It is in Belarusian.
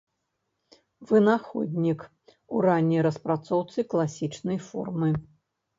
Вынаходнік у ранняй распрацоўцы класічнай формы.